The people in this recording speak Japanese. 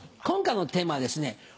今回のテーマはですね